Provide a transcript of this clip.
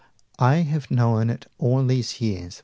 I have known it all these years